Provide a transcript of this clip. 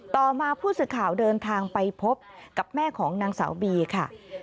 ต่อมาผู้สื่อข่าวเดินทางไปพบกับแม่ของนางสาวบีค่ะ